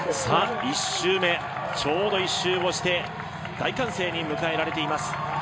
１周目、ちょうど１周をして大歓声に迎えられています。